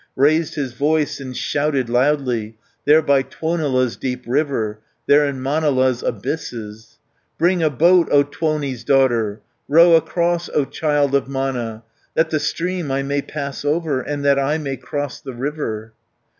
Raised his voice, and shouted loudly 160 There by Tuonela's deep river, There in Manala's abysses: "Bring a boat, O Tuoni's daughter, Row across, O child of Mana, That the stream I may pass over. And that I may cross the river."